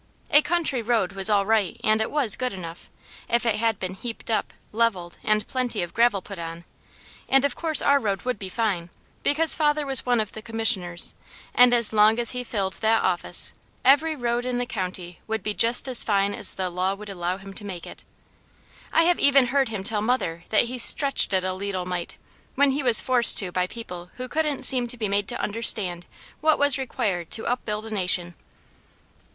A country road was all right and it was good enough, if it had been heaped up, leveled and plenty of gravel put on; and of course our road would be fine, because father was one of the commissioners, and as long as he filled that office, every road in the county would be just as fine as the law would allow him to make it. I have even heard him tell mother that he "stretched it a leetle mite," when he was forced to by people who couldn't seem to be made to understand what was required to upbuild a nation.